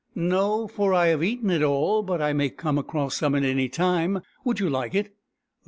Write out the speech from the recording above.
" No, for I have eaten it all. But I may come across some at any time. Would you hke it?